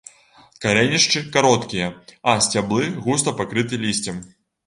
Карэнішчы кароткія, а сцяблы густа пакрыты лісцем.